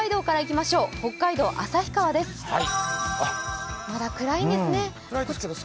まだ暗いですね。